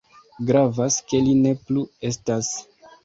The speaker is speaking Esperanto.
Gravas, ke li ne plu estas.